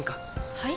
はい？